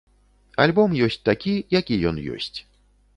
Альбом ёсць такі, які ён ёсць.